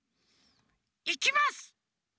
いきます！